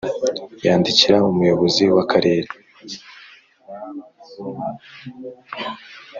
yandikira Umuyobozi w’Akarere